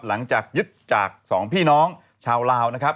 หลังจากยึดจาก๒พี่น้องชาวลาวนะครับ